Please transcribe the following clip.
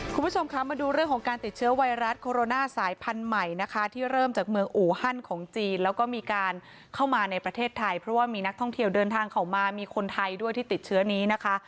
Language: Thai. คุณผู้ชมคะมาดูเรื่องของการติดเชื้อไวรัสโคโรนาสายพันธุ์ใหม่นะคะที่เริ่มจากเมืองอูฮันของจีนแล้วก็มีการเข้ามาในประเทศไทยเพราะว่ามีนักท่องเที่ยวเดินทางเข้ามามีคนไทยด้วยที่ติดเชื้อนี้นะคะ